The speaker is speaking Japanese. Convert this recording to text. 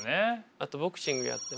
あとボクシングやってます。